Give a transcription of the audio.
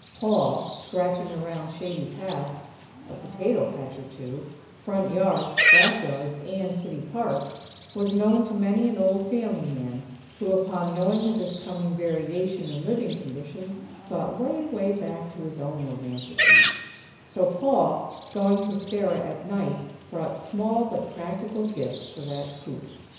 Paul, scratching around shady paths, a potato patch or two, front yards, back yards, and city parks, was known to many an old family man; who upon knowing of his coming variation in living conditions, thought way, way back to his own romantic youth; so Paul, going to Sarah at night, brought small but practical gifts for that "coop."